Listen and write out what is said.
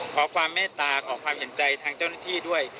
ขอความเมตตาขอความเห็นใจทางเจ้าหน้าที่ด้วย